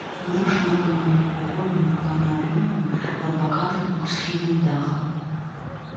Вырашаны прамавугольным у плане аб'ёмам пад пакатым двухсхільным дахам.